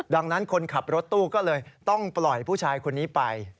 ดังนั้นคนขับรถตู้ก็เลยต้องปล่อยผู้ชายคนนี้ไป